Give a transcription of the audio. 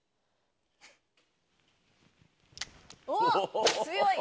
おっ強い！